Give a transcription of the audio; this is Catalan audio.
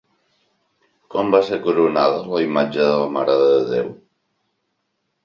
Quan va ser coronada la imatge de la Mare de Déu?